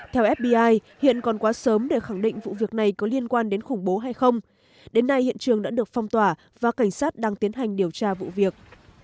theo fbi hiện còn quá sớm để khẳng định vụ việc này có liên quan đến khủng bố hay không đến nay hiện trường đã được phong tỏa và cảnh sát đang tiến hành điều tra vụ việc